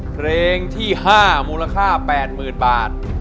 เพลงที่๕มูลค่าแปดหมื่นบาท